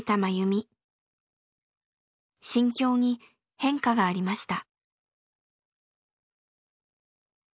心境に変化がありました。